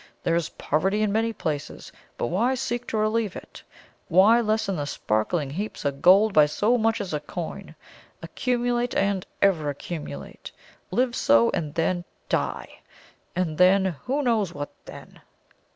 There is poverty in many places, but why seek to relieve it? Why lessen the sparkling heaps of gold by so much as a coin? Accumulate and ever accumulate! Live so, and then die! And then who knows what then?"